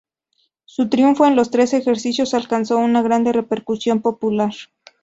Su triunfo en los tres ejercicios alcanzó una gran repercusión popular.